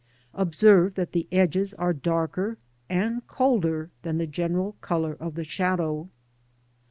Observe that the edges are darker and colder than the general colour of the shadow.